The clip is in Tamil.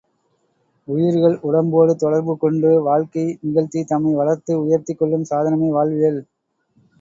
உயிர்கள், உடம்பொடு தொடர்பு கொண்டு வாழ்க்கை நிகழ்த்தித் தம்மை வளர்த்து உயர்த்திக்கொள்ளும் சாதனமே வாழ்வியல்.